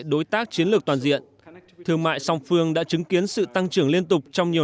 đối tác chiến lược toàn diện thương mại song phương đã chứng kiến sự tăng trưởng liên tục trong nhiều